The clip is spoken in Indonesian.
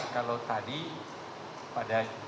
kalau tadi pada